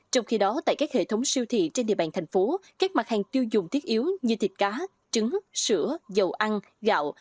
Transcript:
trong khi đó tại các hệ thống siêu thị trên địa bàn thành phố các mặt hàng tiêu dùng thiết yếu như thịt cá trứng sữa dầu ăn gạo